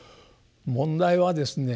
問題はですね